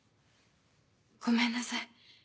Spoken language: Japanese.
ごめんなさい。